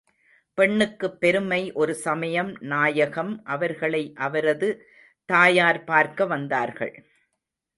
பெண்ணுக்குப் பெருமை ஒரு சமயம் நாயகம் அவர்களை அவரது தாயார் பார்க்க வந்தார்கள்.